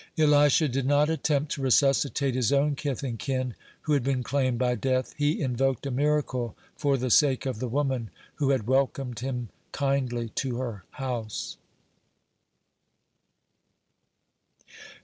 Elisha did not attempt to resuscitate his own kith and kin who had been claimed by death; he invoked a miracle for the sake of the woman who had welcomed him kindly to her house.